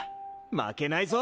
負けないぞ！